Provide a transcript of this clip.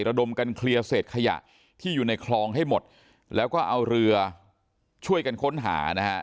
ระดมกันเคลียร์เศษขยะที่อยู่ในคลองให้หมดแล้วก็เอาเรือช่วยกันค้นหานะฮะ